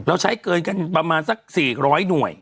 ใช้เกินกันประมาณสัก๔๐๐หน่วย